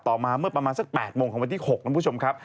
ต่อมาเมื่อประมาณสัก๘โมงของวันที่๖คุณผู้ชมครับ